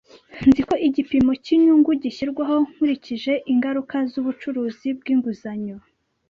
Nzi ko igipimo cyinyungu gishyirwaho nkurikije ingaruka zubucuruzi bwinguzanyo.